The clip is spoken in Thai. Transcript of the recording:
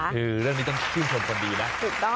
คือเรื่องนี้ต้องชื่นชมคนดีนะถูกต้อง